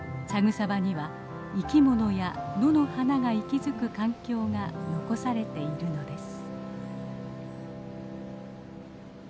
草場には生きものや野の花が息づく環境が残されているのです。